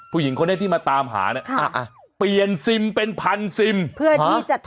ผู้หญิงคนนี้ที่มาตามหาเนี่ยเปลี่ยนซิมเป็นพันซิมเพื่อที่จะ